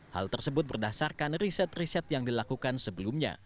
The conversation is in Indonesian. hal tersebut berdasarkan riset riset yang dilakukan sebelumnya